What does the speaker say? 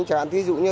chẳng hạn thí dụ như